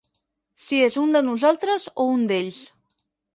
Si és un de nosaltres o un d'ells.